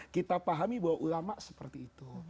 kita pahami bahwa ulama seperti itu